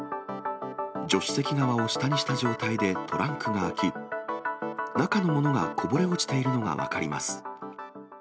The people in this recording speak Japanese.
助手席側を下にした状態でトランクが開き、中の物がこぼれ落ちているのが分かります。